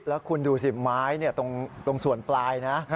แล้วคุณดูสิไม้ตรงส่วนปลายนะ